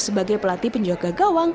sebagai pelatih penjaga gawang